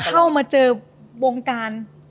แต่พอเข้ามาเจอวงการ